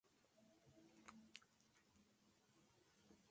En cuanto al teatro, O'Connor se ha ido de gira para la obra "Oliver!